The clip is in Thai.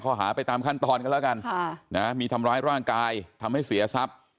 หาไปตามขั้นตอนกันแล้วกันมีทำร้ายร่างกายทำให้เสียทรัพย์